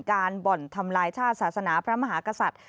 บ่อนทำลายชาติศาสนาพระมหากษัตริย์